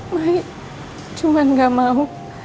maik cuma gak mau